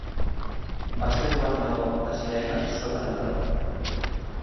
Va ser governador de Cirene sota Neró.